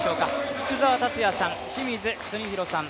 福澤達哉さん、清水邦広さん